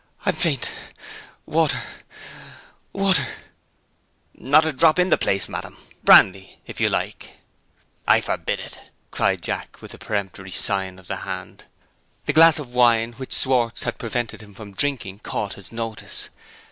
"I'm faint water! water!" "Not a drop in the place, ma'am! Brandy, if you like?" "I forbid it!" cried Jack, with a peremptory sign of the hand. "Drinkable gold is for us not for her!" The glass of wine which Schwartz had prevented him from drinking caught his notice.